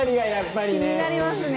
気になりますね。